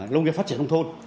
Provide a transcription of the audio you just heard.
lông nghiệp phát triển công thôn